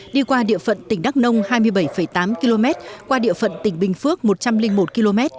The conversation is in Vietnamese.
đi qua địa phận tỉnh đắk nông hai mươi bảy tám km qua địa phận tỉnh bình phước một trăm linh một km